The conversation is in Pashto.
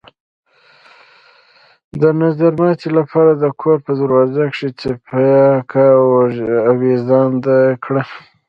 د نظرماتي د پاره د كور په دروازه کښې څپياكه اوېزانده کړه۔